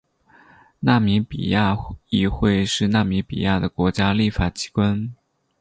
纳米比亚议会是纳米比亚的国家立法机关。